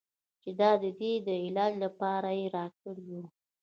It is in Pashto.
چې د ادې د علاج لپاره يې راكړى و.